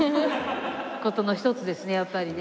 事の一つですねやっぱりね。